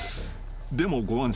でもご安心を］